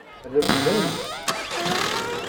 Refden-t.